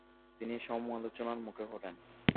তিনি সমালোচনার মুখে পড়েন।